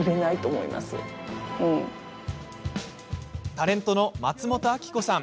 タレントの松本明子さん。